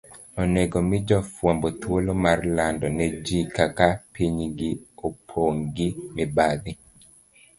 onego mi jofwambo thuolo mar lando ne ji kaka pinygi opong ' gi mibadhi.